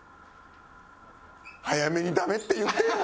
早めにダメって言ってよ。